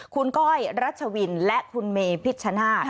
คุณก้อยรัชวินและคุณเมพิชชนาธิ์